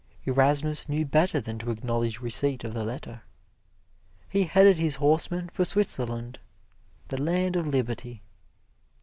Erasmus knew better than to acknowledge receipt of the letter. He headed his horse for Switzerland, the land of liberty.